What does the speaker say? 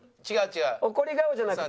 怒り顔じゃなくて。